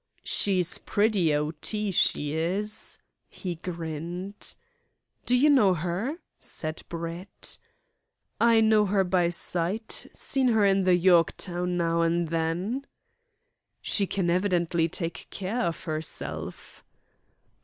"She's pretty O.T., she is," he grinned. "Do you know her?" said Brett. "I know her by sight. Seen her in the York now an' then." "She can evidently take care of herself."